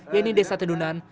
yakni desa tendunan